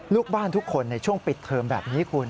ลูกบ้านทุกคนในช่วงปิดเทอมแบบนี้คุณ